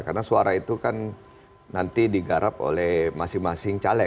karena suara itu kan nanti digarap oleh masing masing kursi